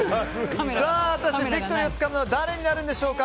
果たしてビクトリーをつかむのは誰になるんでしょうか。